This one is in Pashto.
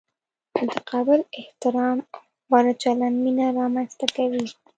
متقابل احترام او غوره چلند مینه را منځ ته کوي.